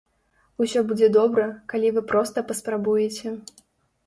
Усё будзе добра, калі вы проста паспрабуеце.